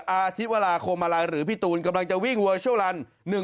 อาทิตย์วัลาโคมาลาหรือพี่ตูนกำลังจะวิ่งเวอร์ชัวร์ลัน